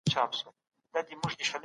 هغه هره ورځ درسونه تکراروي.